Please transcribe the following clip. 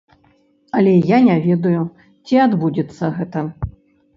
Але я не ведаю, ці адбудзецца гэта.